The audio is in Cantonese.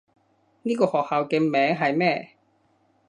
呢個學校嘅名係咩？